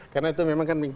karena itu memang kan